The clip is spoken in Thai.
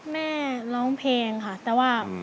แม่ร้องเพลงค่ะแต่ว่า